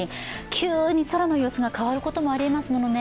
急に空の様子が変わることもありえますものね。